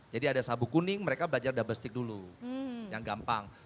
jadi ada sabuk kuning mereka belajar double stick dulu yang gampang